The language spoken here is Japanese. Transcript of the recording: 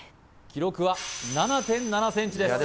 記録は７．７ｃｍです